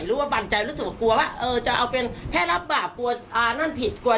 อืม